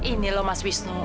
ini loh mas wisnu